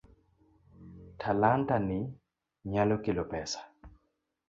Talanta ni nyalo kelo pesa.